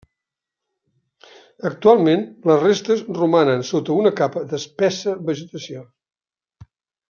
Actualment les restes romanen sota una capa d'espessa vegetació.